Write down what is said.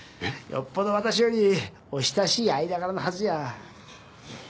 よっぽど私よりお親しい間柄のはずじゃ。